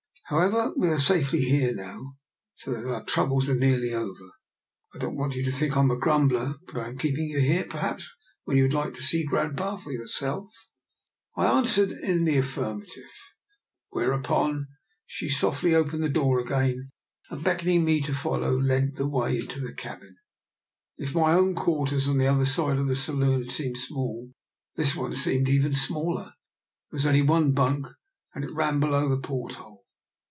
However, we are safely here now, so thgit our troubles are nearly over. I don't wan»t you to think I am a grumbler. But I am j^keep ing you here when perhaps you woulnd like to see grandpapa for yourself? " I answered in the affirmative, when eupon DR. NIKOLA'S EXPERIMENT. 8$ she softly opened the door again, and, beck oning me to follow, led the way into the cabin. If my own quarters on the other side of the saloon had seemed small, this one seemed even smaller. There was only one bunk, and it ran below the port hole.